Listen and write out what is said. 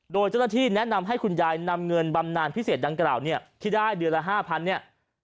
โดยเจ้าหน้าที่แนะนำให้คุณยายนำเงินบำนานพิเศษดังกล่าวเนี่ยที่ได้เดือนละ๕๐๐เนี่ย